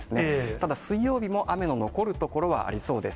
ただ、水曜日も雨の残る所はありそうです。